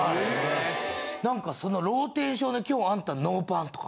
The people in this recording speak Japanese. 何かそのローテーションで「今日あんたノーパン」とか。